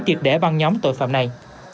tiệt để băng nhóm tội phạm này